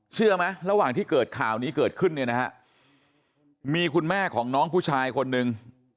เชื่อไหมระหว่างที่เกิดข่าวนี้เกิดขึ้นเนี่ยนะฮะมีคุณแม่ของน้องผู้ชายคนนึง